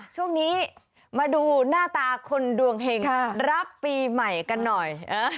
ช่วงนี้มาดูหน้าตาคนดวงเห็งรับปีใหม่กันหน่อย